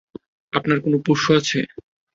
আপনার কোনো পোষ্য আছে?